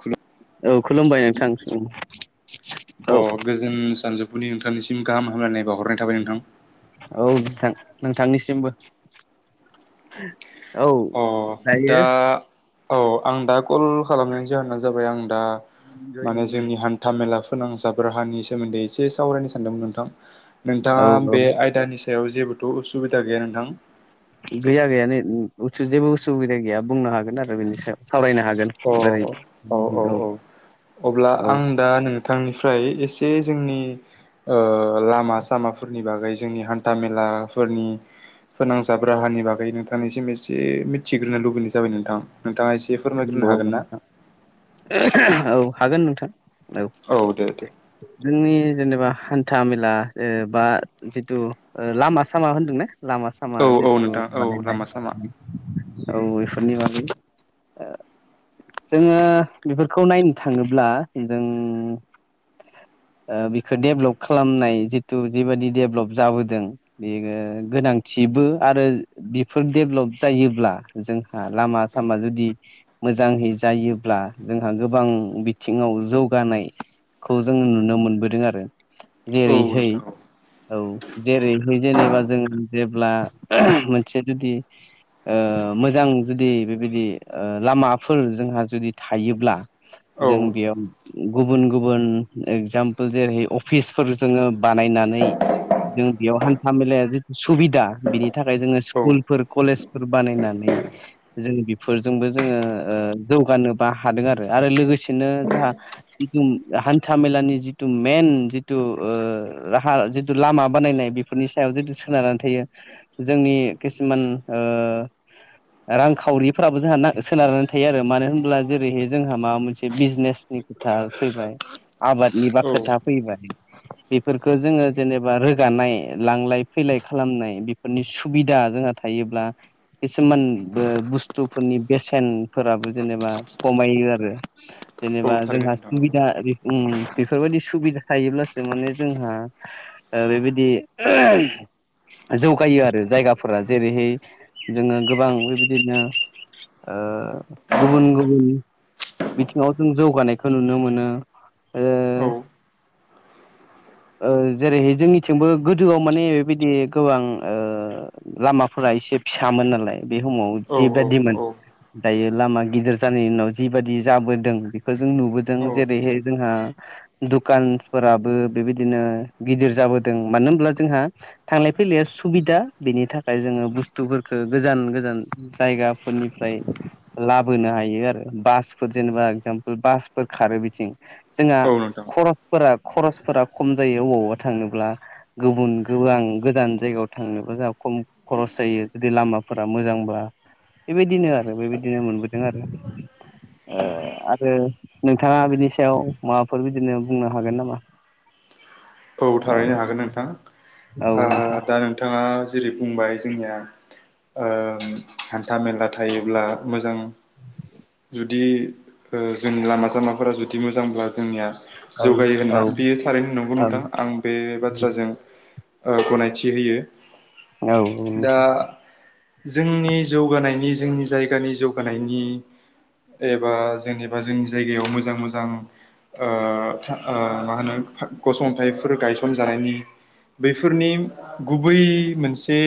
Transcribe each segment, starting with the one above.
खुलुम औ खुलुमबाय नोंथां अ औ गोजोन सानजौफुनि नोंथांनिसिम गाहामलायनाय बावहरनाय थाबाय नोंथां औ नोंथां नोंथांनिसिमबो औ अ दायो दा औ आं दा कल खालामनायनि जाहोनानो जाबाय आं दा माने जोंनि हान्था मेला फोनां जाब राहानि सोमोन्दै एसे सावरायनो सानदोंमोन नोंथां नोंथाङा औ औ बे आयदानि सायाव जेबोथ' उसुबिदा गैया नोंथां गैया गैयानो जेबो उसुबिदा गैया बुंनो हागोन आरो बेनि सायाव सावरायनो हागोन अ बोरै औ अब्ला औ आं दा नोंथांनिफ्राय एसे जे जोंनि ओ लामा सामाफोरनि बागै जोंनि हान्था मेलाफोरनि फोनांजाब राहानि बागै नोंथांनिसिम एसे मिथिग्रो लुबैनाय जाबाय नोंथां नोंथाङा एसे फोरमायग्रोनो औ हागोन ना? औ हागोन नोंथां औ दे दे जोंनि जेनेबा हान्था मेला ओ बा जिथु ओ लामा सामा होनदोंना लामा सामा औ औ जिथु नोंथां औ बानायनाय लामा सामा औ बेफोरनि बागै ओ जोङो बेफोरखौ नायनो थाङोब्ला जों [unintelligible] [inaudible] ओ बिखौ डेभलप खालामनाय जिहेतु जिबादि डेभेलप जाबोदों बेयो गोनांथि बो आरो बेफोर डेभेलप जायोब्ला जोंहा लामा सामा जुदि मोजाङै जायोब्ला जोंहा गोबां बिथिङाव जौगानायखौ जों नुनो मोनबोदों आरो औ जेरैहाय नोंथां औ औ जेरैहाय जेनेबा जों जेब्ला मोनसे जुदि ओ मोजां जुदि बेबायदि लामाफोर जोंहा जुदि थायोब्ला औ जों बेयाव गुबुन गुबुन इगजामपोल जेरै अफिसफोर जोङो बानायनो नानै जों बेयाव हान्था मेलाया जिहेथु सुबिदा बिनि थाखाय जोङो औ स्कुलफोर कलेजफोर बानायनानै जों बेफोरजोंबो जोङो ओ जौगानोबो हादों आरो आरो लोगोसेनो जोंहा हान्था मेलानि जिथु मेइन जिथु राहा जिथु लामा बानायनाय बेफोरनि सायाव जों सोनारनानै थायो जोंनि किसुमान ओ रांखावरि फोराबो जोंहा सोनारनानै थायो आरो मानो होनब्ला जेरैहाय जोंहा माबा मोनसे बिजनेसनि खोथा फैबाय आबादनिबो खोथा औ फैबाय [inaudible] बेफोरखौ जोङो जेनेबा रोगानाय लांलाय फैलाय खालामनाय बेफोरनि सुबिदा जोंहा थायो थायोब्ला किसुमान बो बस्थु बुस्थुफोरनि बेसेनफोराबो जेनेबा खमायो आरो औ जेनेबा थारैनो जोंहा नोंथां सुबिदा औ ओम बेफोरबायदि सुबिदा थायोब्लासो माने जोंहा ओ बेबायदि जौगायो आरो जायगाफोरा जेरैहाय जोङो गोबां बेबायदिनो ओ गुबुन गुबुन बिथिङाव जों जौगानायखौ नुनो मोनो ओ [inaudible] ओ जेरैहाय जोंनिथिंबो गोदोआव माने बेबायदि गोबां ओ लामाफोरा एसे फिसामोन नालाय बे समाव औ जे मोन औ दायो लामा गिदिर जानायनि उनाव जिबादि जाबोदों बेखौ जों नुबोदों औ जेरैहाय जोंहा दखानफोराबो बेबायदिनो गिदिर जाबोदों मानो होनब्ला जोंहा थांलाय फैलाय सुबिदा बेनि थाखाय जोङो बुस्थुफोरखौ गोजान गोजान जायगाफोरनिफ्राय लाबोनो हायो आरो बासफोर जेनेबा इगजामपोल बासफोर खारो बिथिं जोंहा औ नोंथां खरसफोरा खरसफोरा खम जायो अबावब्ला थांनोब्ला गुबुन गोबां गोजान जायगायाव थांनोब्ला जों खम खरस जायो जुदि लामाफोरा मोजांब्ला बेबायदिनो आरो बेबायदिनो मोनबोदों आरो आरो नोंथाङा बिनि सायाव माबाफोर बिदिनो बुंनो हागोन नामा औ थारैनो हागोन नोंथां औ नोंथां आ दा नोंथाङा दा जेरै बुंबाय जोंनिया ओ हान्था मेला थायोब्ला मोजां [inaudible] जुदि ओ जोंनि लामा सामाफोरा जुदि मोजांब्ला जोंनिया औ जौगायो होनना औ बियो थारैनो नंगौ औ नोंथां आं बे बाथ्राजों गनायथि होयो दा औ जोंनि जौगानायनि जोंनि जायगानि जौगानायनि एबा जेनेबा जोंनि जायगायाव मोजां मोजां ओ ओ मा होनो गसंथाइ फोर गायसन जानायनि बफोरनि गुबै मोनसे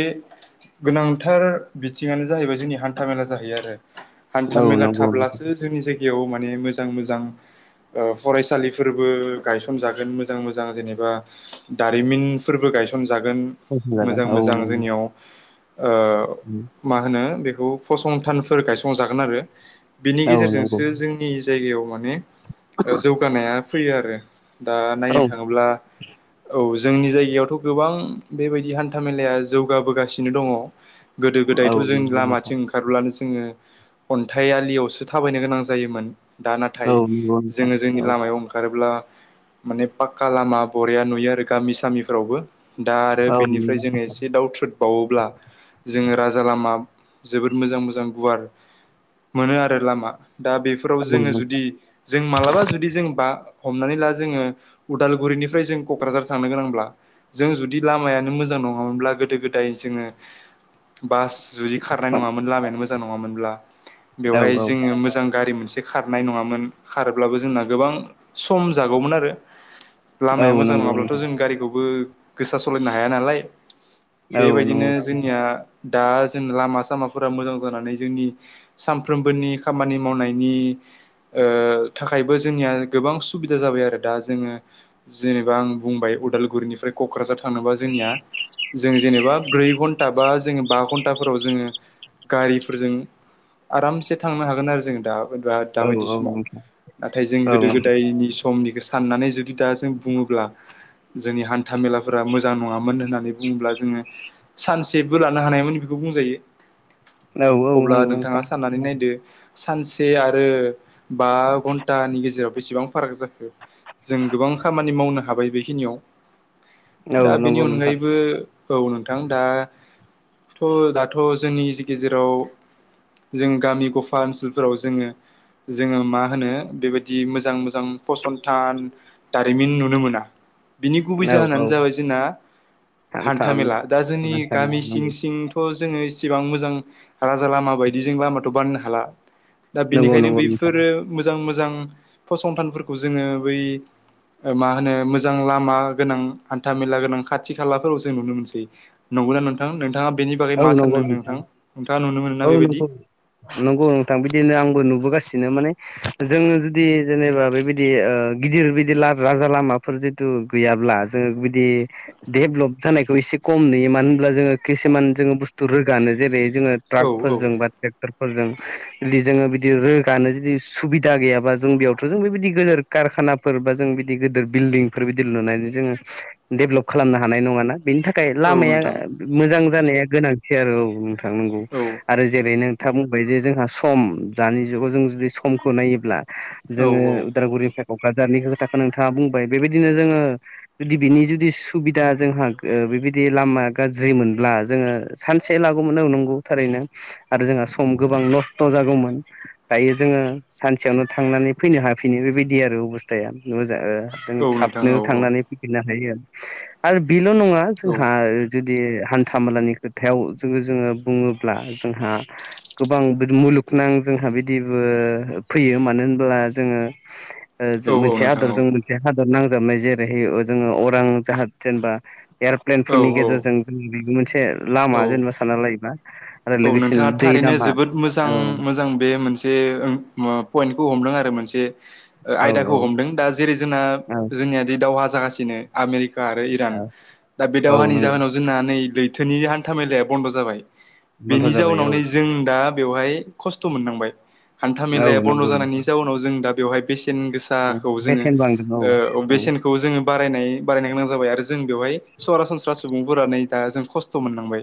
गोनांथार बिथिङानो जाहैबाय जोंनि हान्थाामेला जाहैयो आरो। हान्था औ मेला नंगौ नोंथां थाब्लासो जोंनि जायग बेयाव माने मोजां मोजां ओ फरायसालिफोरबो गायसनजागोन मोजां मोजां जेनेबा दारिमिनफोरबो गायसनजागोन फसंजागोन मोजां औ मोजां नंगौ जोंनियाव। ओ मा होनो बेखौ फसंथानफोर गायसंजागोन आरो। बिनि औ नंगौ गेजेरजोंसो जोंनि जायगायाव माने जौगानाया फैयो आरो दा नायनो औ थाङोब्ला औ जोंनि जायगायावथ' गोबां बेबायदि हान्था मेलाया जौगाबोगासिनो दङ गोदो औ गोदायथ' जों नंगौ नोंथां लामाथिं ओंखारब्लानोस जोंङो अन्थाइ आलियावसो थाबायनो गोनां जायोमोन। दा नाथाय औ नंगौ नोंथां जोंङो जोंनि औ लामायाव ओंखारोब्ला माने पाक्का लामा बरिया नुयो आरो गामि सामिफ्रावबो दा आरो औ बेनिफ्राय जोंङो एसे दाउ थ्रुदबावोब्ला जोंङो राजा लामा जोबोद मोजां मोजां गुवार मोनो आरो लामा दा बेफोराव जोंङो जुदि जों मालाबा जुदि जों बा हमनानै ला जोंङो उदालगुरिनि ओमफ्राय जों क'क्राझार थांनो गोनांब्ला जों जुदि लामायानो मोजां नङामोनब्ला गोदो गोदाय जोंङो बास जुदि खारनाय नंङामोन लामायानो मोजां नङामोनब्ला बेवहाय औ जोंङो मोजां गारि मोनसे खारनाय नंङामोन खारोब्लाबो जोंना गोबां सम जागौमोन आरो। औ लामाया मोजां नंगौ नङाब्लाथ' नोंथां जों गारिखौबो गोसा सालायनो हाया नालाय औ बेबायदिनो नंगौ जोंनिया दा जों लामा सामाफोरा मोजां जानानै जोंनि सानफ्रोमबोनि खामानि मावनायनि ओ थाखायबो जोंनिया गोबां सुबिदा जाबाय आरो दा जोंङो जेनेबा आं बुंबाय उदालगुरिनिफ्राय क'क्राझार थांनोबा जोंनिया जों जेनेबा ब्रै घनटा बा जोंङो बा घन्टाफोराव जोंङो गारिफोरजों आरामसे थांनो हागोन आरो जोंङो दा बा औ दाबायदि औ समाव नोंथां नाथाय जों औ गोदो गोदायनि समनिखौ साननानै जुदि दा जों बुंङोब्ला जोंनि हान्था मेलाफोरा मोजां नंङामोन होननानै बुंङोब्ला जोंङो सानसेबो लानो हानायमोन। बुंजायो औ औ अब्ला नंगौ नोंथाङा नोंथां साननानै नायदो सानसे आरो बा घन्टानि गेजेराव बेसेबां फाराग जा जों गोबां खामानि मावनो हाबाय बेखिनियाव औ दा बेनि नंगौ नोंथां अनगायैबो औ नोंथां दाथ'-दाथ' जोंनि गेजेराव जों गामि गफा ओनसोलफोराव जोंङो जोंङो मा होनो बेबायदि मोजां मो‌ जों फसंथान दारिमिन नुनो मोना। बिनि गुबै औ औ जाहोनानो जाबाय जोंना हान्था मेला दा जोंनि गामि सिं-सिंथ' जोंङो इसेबां मोजां राजा लामा बायदि जों लामाथ' बानायनो हाला दा नंगौ बेनिखायनो नंगौ नोंथां बैफोरो मोजां मोजां फसंथानफोरखौ जोंङो बै मा होनो मोजां लामा गोनां हान्था मेला गोनां खाथि खालाफोराव जों नुनो मोनसै नंगौना नोंथां नोंथाङा बेनि बै औ मा नंगौ सानदों नोंथां नोंथां औ नंगौ नंगौ नोंथां बिदिनो आंबो नुबोगा सिनो माने जोंङो जुदि जेनेबा बेबायदि गिदिर बिदि राजा लामाफोर जिहेतु गैयाल्बा जों बिदि देल्ब जानायखौ एसे खम नुयो मोनो होनोल्बा जोंङो खिसुमान जों बुस्थु रोगानो जेरै जोंङो औ औ ट्राकफोरजों बा ट्रेक्टरफोरजों जुदि जोंङो बिदि रोगानो जुदि सुबिदा गैयाबा जों बेयावथ' जों बेबायदि गोदेर कारखानाफोर बा जों बिदि गोदोर बिल्डिंफोर बिदि लुनानै जोंङो डेभेलप खालामनो हानाय नंङा ना बेनि थाखाय औ लामाया नोंथां मोजां जानाया गोनांथि आरो औ नोंथांनंगौ औ आरो जेरै नों खोथा बुंबाय जे जोंहा सम दानि जुगाव जों जुदि समखौ नायोब्ला जोंङो औ उदालगुरिनिफाय क'क्राझारनि खोथाखौ नोंथाङा बुंबाय बेबायदिनो जोंङो जुदि बिनि जुदि सुबिदा जोंहा ओ बेबायदि लामा गाज्रि मोनब्ला जोंङो सानसे लागौमोन ओ नंगौ थारैनो आरो जोंहा सम गोबां नस्थ' जागौमोन दायो जोंङो सानसेयावनो थांना नैफैनो हाफिनो बेबायदि आरो अबस्थाया मोजां ओ औ नोंथां थाबनो औ औ थांनानै फैफिननो हायो आरो आरो बेल' नङा औ जोंहा दि हान्था मेलानि खोथायाव जोंङो जोंङो बुंङो ब्ला जोंहा गोबां मुलुगनां जोंहा बिदिबो फैयो मानो होनब्ला दा जोङो ओ जो औ औ मोनसे नोंथां आदर औ दं मोनसे हादर नांजाबनाय जेरैहोयो अ जोङो अरां जाहाज जेनेबा एर'प्लेन औ फोरनि गेजेरजों औ [inaudible] बेबो मोनसे लामा औ जेनेबा सानना लायोबा आरो औ नोंथाङा लोगोसेनो दै थारैनो लामा जोबोद मोजां औ मोजां बे मोनसे ए ओं पइन्टखौ हमदों आरो मोनसे ओ औ आयदाखौ औ हमदों दा जेरै जोंना औ जोंनियादि दावहा जागासिनो आमेरिक का आरो इरान दा बे औ दावहानि नंगौ जाहोनाव जोंना नै लैथोनि हान्था मेलाया बन्द' जाबाय। बन्थ' बेनि जाबाय जाउनाव औ नै जों दा बेवहाय खस्थ' मोननांबाय। हान्था मेलाया औ बन्द' नंगौ जानायनि जाउनाव जों दा बेवहाय बेसे सेन गोसाखौ जोङो बेसेन बांदों ओ औ बेसेनखौ जोङो बारायनाय बारायनो गोनां जाबाय आरो जों बेवहाय सरासनस्रा सुबुंफोरानो नै दा जों खस्थ' मोननांबाय।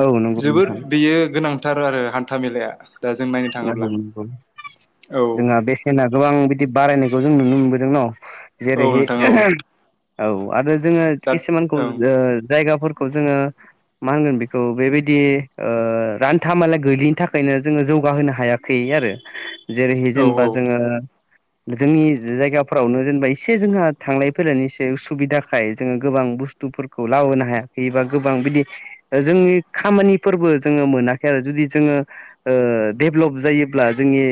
औ नों जोबोद बेयो गोनांथार आरो हान्था मेलाया। दा जों नायनो [unintelligible] थाङोब्ला औ जोंहा बेसेना गोबां बिदि बारायनायखौ जों नुनो मोनबोदों न'? औ जेरैहै नोंथां औ औ आरो जोङो दा किसुमानखौ ओं ओ जायगाफोर खौ जोङो मा होनगोन बिखौ बेबायदि ओ रान्था मोला गोलैनि थाखायनो जोङो जौ बाहोनो हायाखै आरो जेरै औ जेनेबा जोङो जोंनि जायगाफोरावनो जेनेबा एसे जोंहा थांलाय फैलायनि एसे उसुबिदाखाय जोङो गोबां बां बुस्थुफोरखौ लाबोनो हायाखैबा गोबां बिदि जोंनि खामानिफोरबो जोङो मोनाख खै आरो जुदि जोङो ओ डेभेलप जायोब्ला जोंनि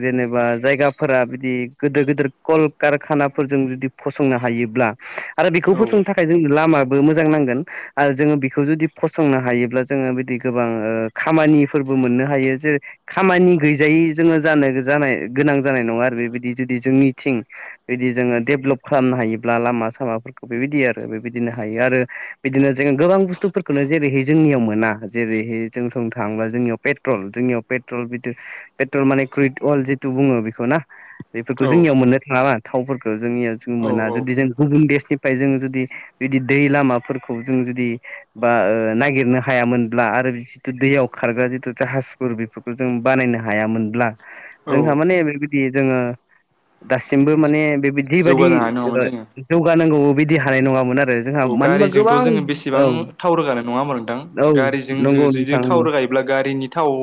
जेनेबा जायगाफोरा बिदि गोदोर गोदोर कलकारखाना फोरजों जुदि फसंनो हायोब्ला आरो बेखौ औ फसंनो थाखाय जों लामा बो मोजां नांगोन आरो जोङो बिखौ जुदि फसंनो हायोब्ला जोङो बिदि गोबां ओ खामानिफोर बो मोननो हायो जे खामानि गैजायै जोङो जानो जानाय गोनां जानाय नङा आरो बेबायदि जुदि जोंनिथिं दि जोङो देभलप खालामनो हायोब्ला लामा सामाफोरखौ बेबायदि आरो बेबायदिनो हायो आरो बिदिनो जोङो गोबां बुस्थुफोरखोनो जेरैहाय जोंनियाव मोना जेरैहै जों सं थाङोबा जोंनियाव पेट्रल जोंनियाव पेट ट्रल [unintelligible] पेट्रल माने क्रुइद अल जितु बुङो बिखौ ना बेफोरखौ औ जोंनियाव मोननो थाङा ना। थावफोरखो जोंनिया जों औ मोना जुदि जों गुबुन देशनि फ्राय जोङो जुदि बिदि दै लामाफोरखौ जों जुदि बा ओ नागिरनो हायामोनब्ला [unintelligible] जिथु दैयाव खारग्रा जिथु जाहाजफोर बेफोर जों बानायनो हायामोनब्ला औ जोंहा माने बेबायदि जोङो दासिमबो माने बेबिदि जिबादि जौगानो हानाय नङामोन जोङो जौगानांगौ बैदि हानाय नङामोन आरो। जोंहा औ मानो होनबा गारिजोंथ' गोबां जोङो बेसेबां औ थाव रोगानो नङा होनबा औ नोंथां गारिजों जो नंगौ जुदि नोंथां थाव रोगाय ब्ला गारिनि थाव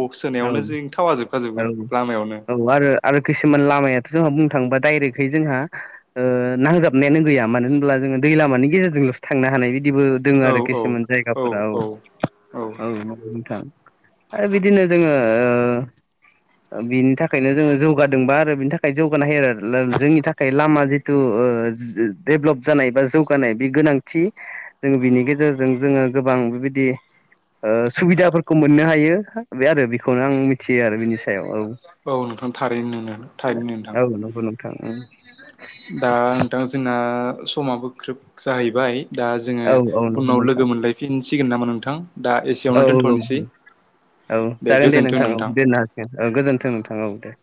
औ सोनायावनो जोंनि थावा जोबखाजोबगोन औ लामायावनो। औ आरो आरो किसुमान लामायाथ' जोंहा बुंनो थाङोबा डायरेक्टहै जोंहा ओ नांजाबनायानो गैया मानो होनब्ला जों दै लामानि गेजेरजों थांनो हानाय बिदिबो दोङ औ आरो औ किसुमान औ जायगाफोराव औ औ [unintelligible] आरो बिदिनो जोङो ओ ओ बिनि थाखायनो जोङो जौगादोंबा आरो बिनि थाखाय जौगानो हायोरो [unintelligible] जोंनि थाखाय लामा जिथु ओ [unintelligible] देभेलप जानाय बा जौगानाय बे गोनांथि जों बिनि गेजेरजों जोङो गोबां बिदि ओ सुबिदाफोरखौ मोननो हायो बे आरो बेखौनो आं मिथियो आरो बिनि सायाव औ। औ नोंथां थारैनो नोंनो। औ नंगौ नोंथां उम। दा नोंथां जोंना समाबो ग्रोब जाहैबाय। दा जोङो औ औ नंगौ उनाव नोंथां लोगो मोनलायफिनसिगोन नामा नोंथां दा औ एसेयावनो दोनथ'नोसै। औ जागोन दे नोंथां औ दोननो हासिगोन औ गोजोन्थों नोंथां औ दे। [inaudible]